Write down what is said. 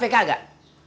lengkaf avk gak